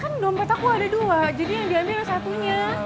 kan dompet aku ada dua jadi yang diambil ada satunya